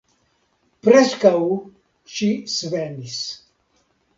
Preskaŭ ŝi svenis.